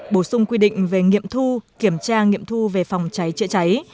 bổ sung quy định về nghiệm thu kiểm tra nghiệm thu về phòng cháy chữa cháy